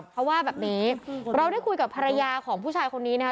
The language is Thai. เขาว่าแบบนี้เราได้คุยกับภรรยาของผู้ชายคนนี้นะคะ